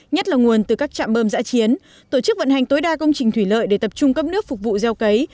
nhất là nguồn từ các trạm bơm giã chiến tổ chức vận hành tối đa công trình thủy lợi để tập trung cấp nước phục vụ gieo cấy